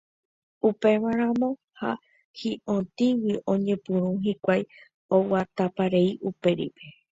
Upémarõ ha hi'otĩgui oñepyrũ hikuái oguataparei upérupi.